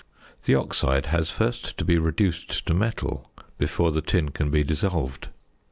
The oxide has first to be reduced to metal before the tin can be dissolved.